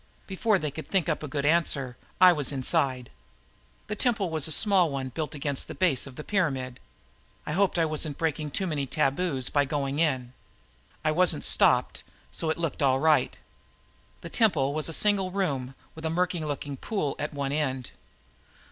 Before they could think up a good answer, I was inside. The temple was a small one built against the base of the pyramid. I hoped I wasn't breaking too many taboos by going in. I wasn't stopped, so it looked all right. The temple was a single room with a murky looking pool at one end.